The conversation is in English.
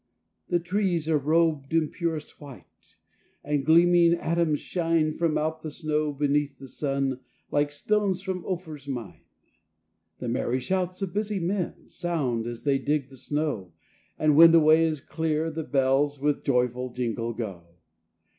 The trees are rob'd in purest white, And gleaming atoms shine From out the snow, beneath the sun, Like stones from Ophir's mine. The merry shouts of busy men Sound, as they dig the snow; And, when the way is clear, the bells With joyful jingle, go.